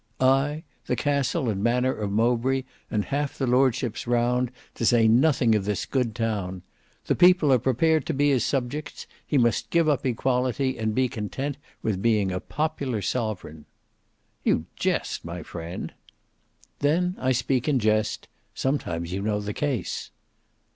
"Ay! the castle and manor of Mowbray and half the lordships round, to say nothing of this good town. The people are prepared to be his subjects; he must give up equality and be content with being a popular sovereign." "You jest my friend." "Then I speak truth in jest; sometimes, you know, the case."